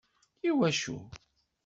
Iwacu?